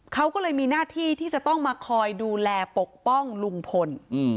เขาก็เลยมีหน้าที่ที่จะต้องมาคอยดูแลปกป้องลุงพล